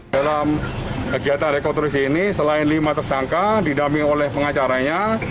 dalam kegiatan rekonstruksi ini selain lima tersangka didamping oleh pengacaranya